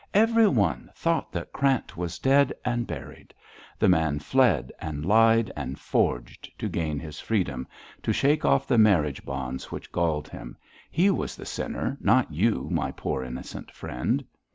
everyone thought that Krant was dead and buried. The man fled, and lied, and forged, to gain his freedom to shake off the marriage bonds which galled him. He was the sinner, not you, my poor innocent friend!'